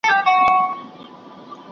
مونږ پکښې ځکه نۀ ووجنګ د نظــــریاتو نۀ ؤ